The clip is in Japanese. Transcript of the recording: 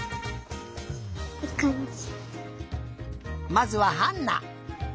まずはハンナ。